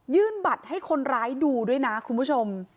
บัตรให้คนร้ายดูด้วยนะคุณผู้ชม